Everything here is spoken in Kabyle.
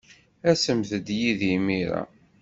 Asemt-d yid-i imir-a.